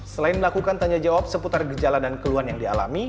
selain melakukan tanya jawab seputar gejala dan keluhan yang dialami